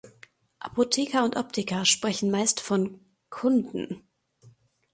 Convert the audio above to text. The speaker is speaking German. Apotheker und Optiker sprechen meist von "Kunden".